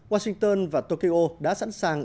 washington và tokyo đã sẵn sàng